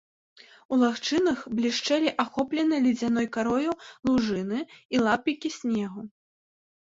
У лагчынах блішчэлі ахопленыя ледзяной карою лужыны і лапікі снегу.